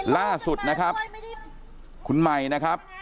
ล่าสุดนะครับคุณใหม่นะครับ